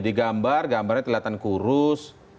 digambar gambarnya kelihatan kurus